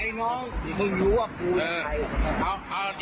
ไอ้น้องมึงรู้ว่าภูลใจ